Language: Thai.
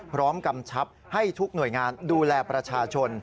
กำชับให้ทุกหน่วยงานดูแลประชาชน